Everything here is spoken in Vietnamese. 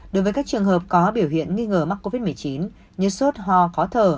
đối với các trường hợp có biểu hiện nghi ngờ mắc covid một mươi chín như sốt ho khó thở